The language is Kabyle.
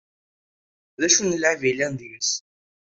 Acu n lɛib yellan deg-s?